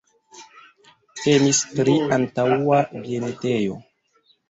Temis pri antaŭa bienetejo.